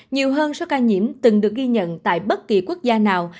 nhiều hơn số ca nhiễm từng được ghi nhận tại bất kỳ quốc gia nào